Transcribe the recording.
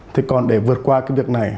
thế còn để vượt qua việc này